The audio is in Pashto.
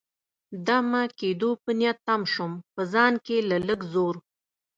دمه کېدو په نیت تم شوم، په ځان کې له لږ زور.